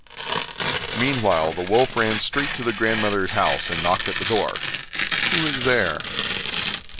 Meanwhile the wolf ran straight to the grandmother's house and knocked at the door. 'Who is there?